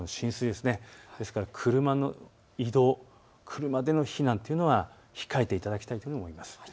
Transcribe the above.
ですから車の移動、車での避難というのは控えていただきたいと思います。